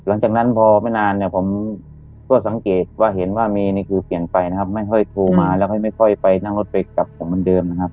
หลังจากนั้นพอไม่นานเนี่ยผมก็สังเกตว่าเห็นว่าเมย์นี่คือเปลี่ยนไปนะครับไม่ค่อยโทรมาแล้วค่อยไม่ค่อยไปนั่งรถไปกลับผมเหมือนเดิมนะครับ